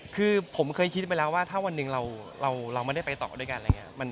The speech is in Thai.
คือผมเคยคิดไปแล้วว่าถ้าวันหนึ่งเราไม่ได้ไปต่อด้วยกันอะไรอย่างนี้